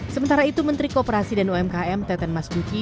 sementara itu menteri kooperasi dan umkm teten mas duki